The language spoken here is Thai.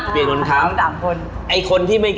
เปลี่ยนคนค้ำ